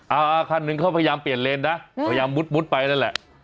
เออเออคันนึงเขาพยายามเปลี่ยนเรนด้ะพยายามมุดมุดไปนั่นแหละ